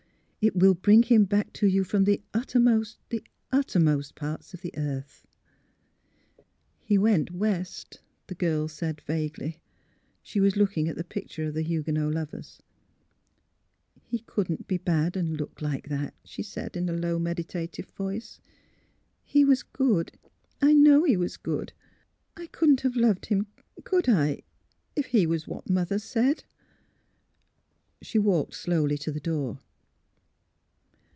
It will bring him back to you from the uttermost — the uttermost parts of the earth! "'' He went West," the girl said, vaguely. She was looking at the picture of the Hugue not lovers. ^' He couldn't be bad, and look like that," she said, in a low, meditative voice. " He was good. I know he was good. I couldn 't have loved him ; could I? if he was what Mother said." She walked slowly to the door.